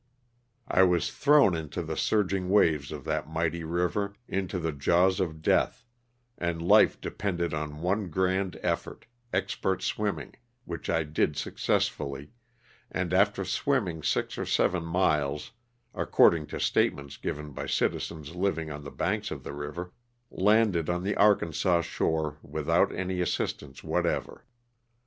I was thrown into the surging waves of that mighty river, into the jaws of death, and life depended on one grand effort, expert swimming, which I did successfully, and after swimming six or seven miles, according to statements given by citizens living on the banks of the river, landed on the Arkansas shore with out any assistance whatever.